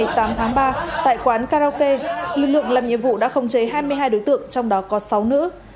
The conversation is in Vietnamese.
ngày tám tháng ba tại quán karaoke lực lượng làm nhiệm vụ đã khống chế hai mươi hai đối tượng trong đó có sáu nữ